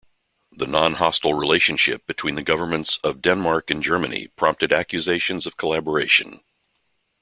The non-hostile relationship between the governments of Denmark and Germany prompted accusations of collaboration.